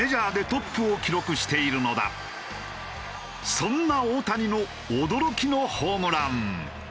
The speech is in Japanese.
そんな大谷の驚きのホームラン。